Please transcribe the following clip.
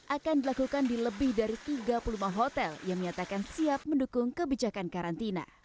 akan dilakukan di lebih dari tiga puluh lima hotel yang menyatakan siap mendukung kebijakan karantina